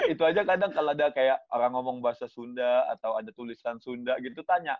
itu aja kadang kalau ada kayak orang ngomong bahasa sunda atau ada tulisan sunda gitu tanya